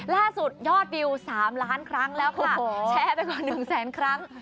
ยอดวิว๓ล้านครั้งแล้วค่ะแชร์ไปกว่า๑แสนครั้ง